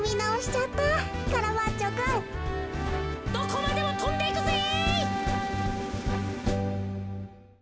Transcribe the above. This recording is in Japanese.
どこまでもとんでいくぜ。